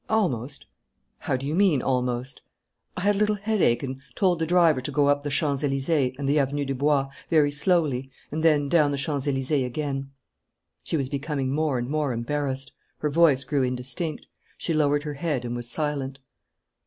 "Almost." "How do you mean, almost?" "I had a little headache and told the driver to go up the Champs Elysées and the Avenue du Bois very slowly and then down the Champs Elysées again " She was becoming more and more embarrassed. Her voice grew indistinct. She lowered her head and was silent.